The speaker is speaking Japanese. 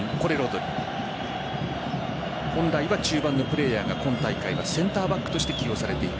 本来は中盤のプレーヤーが今大会はセンターバックとして起用されている。